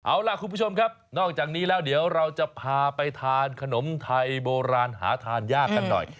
เอาล่ะคุณผู้ชมครับนอกจากนี้แล้วเดี๋ยวเราจะพาไปทานขนมไทยโบราณหาทานยากกันหน่อย